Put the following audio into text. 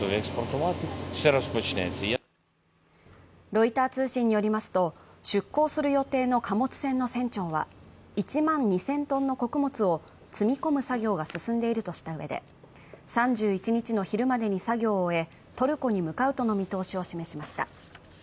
ロイター通信によりますと出港する予定の貨物船の船長は１万２０００ｔの穀物を積み込む作業が進んでいるとしたうえで、３１日の昼までに作業を終え、トルコに向かうとの見通しを示しました。